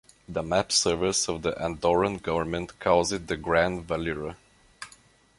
The map service of the Andorran government calls it the Gran Valira.